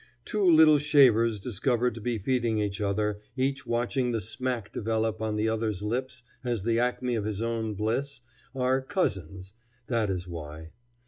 Two little shavers discovered to be feeding each other, each watching the smack develop on the other's lips as the acme of his own bliss, are "cousins"; that is why.